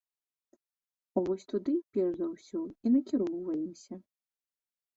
Вось туды перш за ўсё і накіроўваемся.